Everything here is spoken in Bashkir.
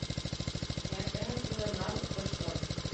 Кәртәһе тулы — мал, ҡош-ҡорт.